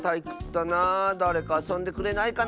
だれかあそんでくれないかな。